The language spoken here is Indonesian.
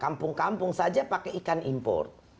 kampung kampung saja pakai ikan import